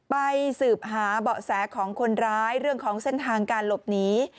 ไปสืบหาเบาะแสของคนร้ายเรื่องของเส้นทางการหลบหนี